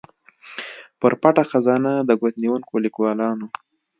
پر پټه خزانه د ګوتنیونکو ليکوالانو